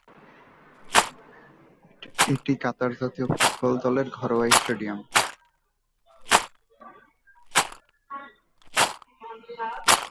এটি কাতার জাতীয় ফুটবল দলের ঘরোয়া স্টেডিয়াম।